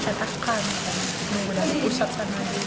tidak ada pusat sana